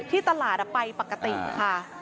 ที่ตลาดไปปกติค่ะ